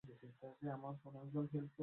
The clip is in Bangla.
যে এখানে এসে অত্যন্ত আনন্দিত।